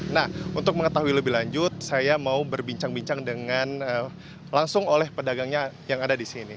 nah untuk mengetahui lebih lanjut saya mau berbincang bincang dengan langsung oleh pedagangnya yang ada di sini